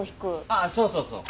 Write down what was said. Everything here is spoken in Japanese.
ああそうそうそう。